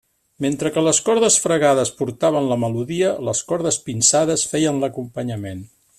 Mentre que les cordes fregades portaven la melodia, les cordes pinçades feien l'acompanyament.